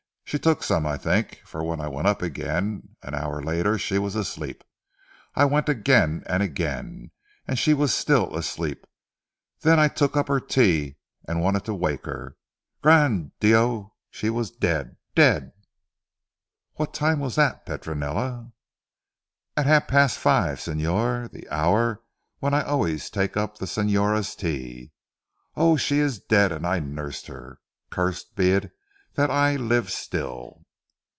She took some I think, for when I went up again an hour later she was asleep. I went again and again she was still asleep. Then I took up her tea, and wanted to waken her. Gran' Dio she was dead dead!" "What time was that Petronella?" "At half past five Signor, the hour when I always take up the Signora's tea. Oh, she is dead and I nursed her. Cursed be it that I live still."